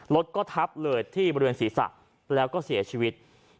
รถก็ทับเลยที่บริเวณศีรษะแล้วก็เสียชีวิต